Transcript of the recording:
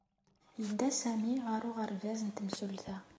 Yedda Sami ɣer uɣerbaz n temsulta